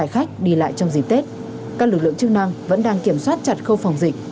khách đi lại trong dịp tết các lực lượng chức năng vẫn đang kiểm soát chặt khâu phòng dịch